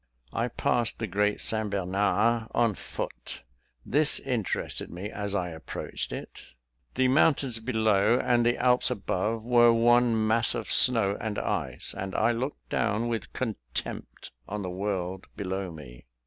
I passed the Great St Bernard on foot. This interested me as I approached it. The mountains below, and the Alps above, were one mass of snow and ice, and I looked down with contempt on the world below me.